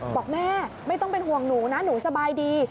บอกแม่ไม่ต้องเป็นห่วงหนูนะหนูสบายดี